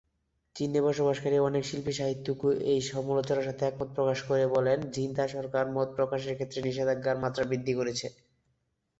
চীনে বসবাসকারী অনেক শিল্পী-সাহিত্যিকও এই সমালোচনার সাথে একমত প্রকাশ করে বলেন, জিনতাও সরকার মত প্রকাশের ক্ষেত্রে নিষেধাজ্ঞার মাত্রা বৃদ্ধি করেছে।